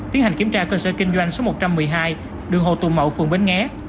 tiến hành kiểm tra cơ sở kinh doanh số một trăm một mươi hai đường hồ tùng mậu phường bến nghé